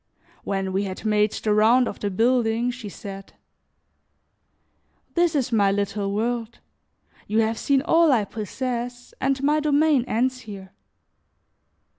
When we had made the round of the building she said: "This is my little world; you have seen all I possess, and my domain ends here."